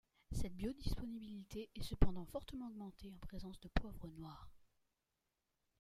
Cette biodisponibilité est cependant fortement augmentée en présence de poivre noir.